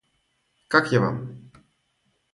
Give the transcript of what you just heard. Как я Вам?